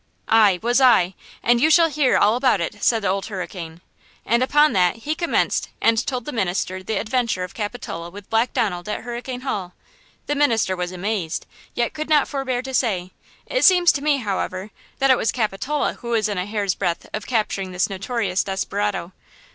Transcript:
"Aye, was I; and you shall hear all about it," said Old Hurricane. And upon that he commenced and told the minister the adventure of Capitola with Black Donald at Hurricane Hall. The minister was amazed, yet could not forebear to say: "It seems to me, however, that it was Capitola who was in a hair's breadth of capturing this notorious desperado."